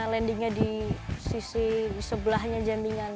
landingnya di sisi sebelahnya jambingan